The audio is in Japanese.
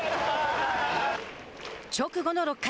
直後の６回。